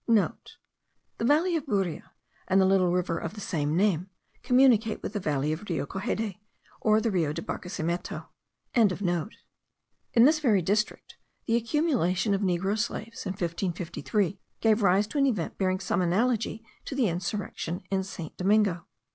(* The valley of Buria, and the little river of the same name, communicate with the valley of the Rio Coxede, or the Rio de Barquesimeto.) In this very district the accumulation of negro slaves in 1553 gave rise to an event bearing some analogy to the insurrection in St. Domingo.